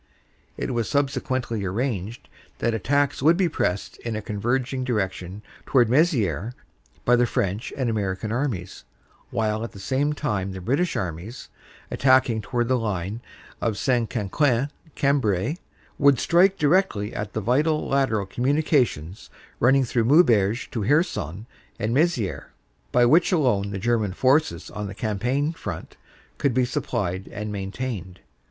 It was subsequently arranged that attacks would be pressed in a converging direction towards Mezieres by the French and American armies, while at the same time the British armies, attacking towards the line St. Quentin Cambrai, would strike directly at the vital lateral communications running through Maubeuge to Hirson and Mezieres, by which alone the Ger man forces on the Champagne front could be supplied and maintained."